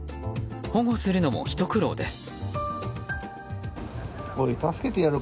保護するのもひと苦労です。